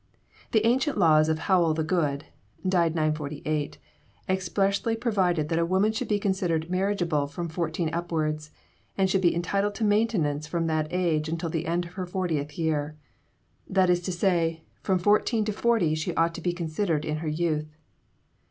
The ancient laws of Howell the Good (died 948) expressly provided that a woman should be considered marriageable from fourteen upwards, and should be entitled to maintenance from that age until the end of her fortieth year; 'that is to say, from fourteen to forty she ought to be considered in her youth.'